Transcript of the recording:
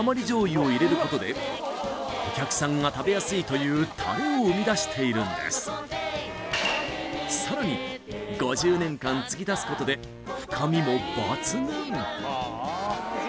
醤油を入れることでお客さんが食べやすいというタレを生み出しているんですさらに５０年間つぎ足すことで深みも抜群